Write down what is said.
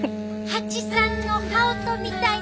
ハチさんの羽音みたいな呼吸！